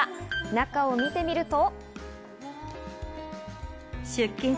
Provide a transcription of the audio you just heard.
中を見てみると。